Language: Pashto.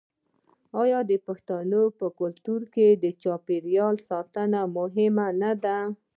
آیا د پښتنو په کلتور کې د چاپیریال ساتنه مهمه نه ده؟